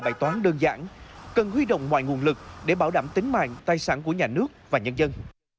bài toán đơn giản cần huy động mọi nguồn lực để bảo đảm tính mạng tài sản của nhà nước và nhân dân